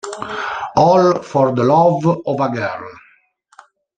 All for the Love of a Girl